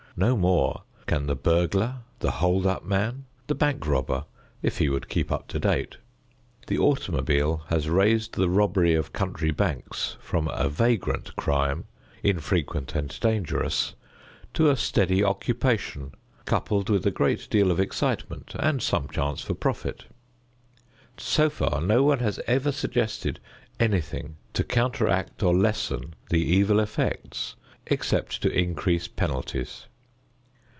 No more can the burglar, the hold up man, the bank robber, if he would keep up to date. The automobile has raised the robbery of country banks from a vagrant crime, infrequent and dangerous, to a steady occupation coupled with a great deal of excitement and some chance for profit. So far no one has ever suggested anything to counteract or lessen the evil effects except to increase penalties.